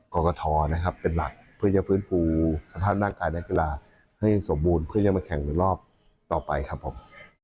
กรกฐเป็นหลักเพื่อจะพื้นภูสภาพหน้ากายในกีฬาให้สมบูรณ์เพื่อจะมาแข่งรอบต่อไปครับผม